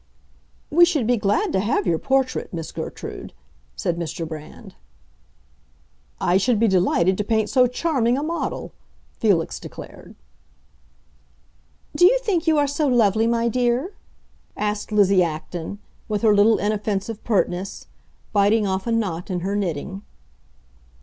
"We should be glad to have your portrait, Miss Gertrude," said Mr. Brand. "I should be delighted to paint so charming a model," Felix declared. "Do you think you are so lovely, my dear?" asked Lizzie Acton, with her little inoffensive pertness, biting off a knot in her knitting.